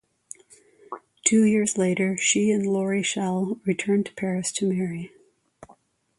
Two years later she and Laury Schell returned to Paris to marry.